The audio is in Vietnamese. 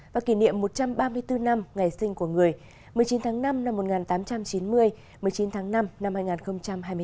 và kỷ niệm một trăm ba mươi bốn năm ngày sinh của người một mươi chín tháng năm năm một nghìn tám trăm chín mươi một mươi chín tháng năm năm hai nghìn hai mươi bốn